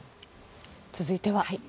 続いては。